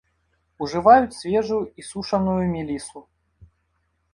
Ужываюць свежую і сушаную мелісу.